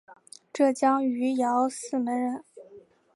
浙江余姚泗门人。